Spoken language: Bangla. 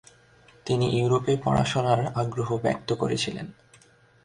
তিনি ইউরোপে পড়াশোনার আগ্রহ ব্যক্ত করেছিলেন।